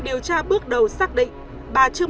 điều tra bước đầu xác định bà trương